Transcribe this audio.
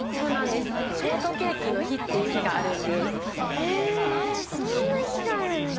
えー、そんな日があるんだ。